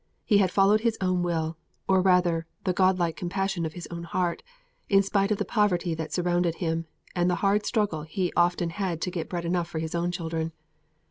He had followed his own will, or rather the God like compassion of his own heart, in spite of the poverty that surrounded him, and the hard struggle he often had to get bread enough for his own children.